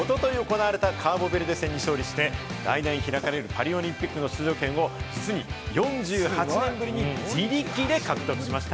おととい行われたカーボベルデ戦に勝利して、来年開かれるパリオリンピックの出場権を、実に４８年ぶりに自力で獲得しました。